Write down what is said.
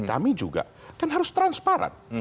kami juga kan harus transparan